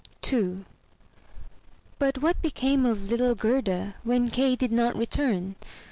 n But what became of little Gerda when Kay did not return?